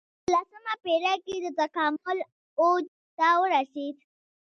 په اولسمه پېړۍ کې د تکامل اوج ته ورسېد.